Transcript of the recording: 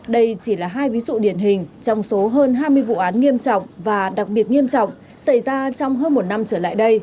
đây chỉ là hai ví dụ điển hình trong số hơn hai mươi vụ án nghiêm trọng và đặc biệt nghiêm trọng xảy ra trong hơn một năm trở lại đây